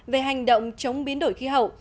về hành động chống biến đổi khí hậu